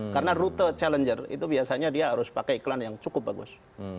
karena rute challenger itu biasanya dia harus pakai iklan yang cukup bagus